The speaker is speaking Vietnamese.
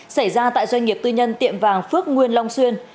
xảy ra tại doanh nghiệp tư nhân tiệm vàng phước nguyên long xuyên